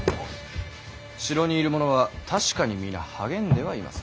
城にいる者は確かに皆励んではいます。